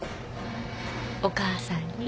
お母さんに。